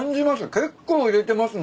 結構入れてますね。